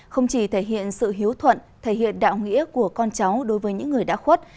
không chỉ thể hiện sự hiếu thuận thể hiện đạo nghĩa của con cháu đối với những người đã khuất